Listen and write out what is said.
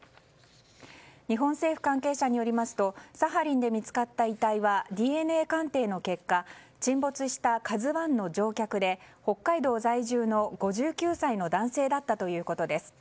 日本政府関係者によりますとサハリンで見つかった遺体はＤＮＡ鑑定の結果沈没した「ＫＡＺＵ１」の乗客で北海道在住の５９歳の男性だったということです。